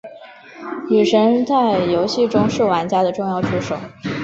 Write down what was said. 女神在游戏中是玩家的重要助手。